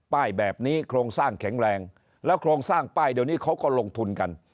ป้ายแบบนี้โครงสร้างแข็งแรงแล้วโครงสร้างป้ายเดี๋ยวนี้เขาก็ลงทุนกัน